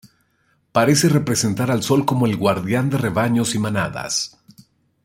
Parece representar al sol como guardián de rebaños y manadas.